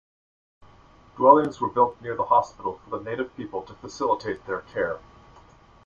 Dwellings were built near the hospital for the native people to facilitate their care.